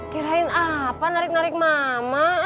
kirain apa narik narik mama